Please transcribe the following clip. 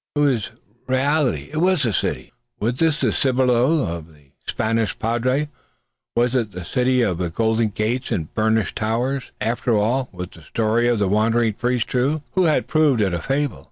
It was a reality. It was a city! Was it the Cibolo of the Spanish padre? Was it that city of golden gates and burnished towers? After all, was the story of the wandering priest true? Who had proved it a fable?